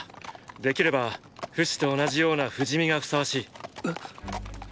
できればフシと同じような不死身が相応しい。っ！